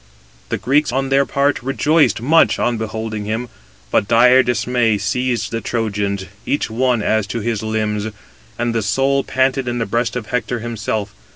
The Greeks, on their part, rejoiced much on beholding him, but dire dismay seized the Trojans, each one as to his limbs, and the soul panted in the breast of Hector himself.